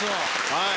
はい。